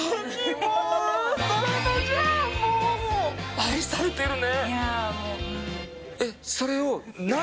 愛されてるね！